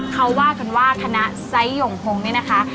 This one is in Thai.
เขาว่ากันว่าคณะไซต์หย่อมหงษ์เนี่ยนะคะ